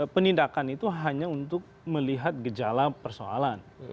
penindakan itu hanya untuk melihat gejala persoalan